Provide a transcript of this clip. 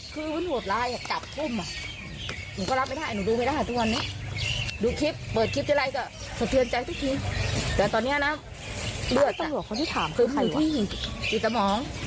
พูดแบบไม่รู้เรื่องอะเหมือนกับอะไรทุกอย่าง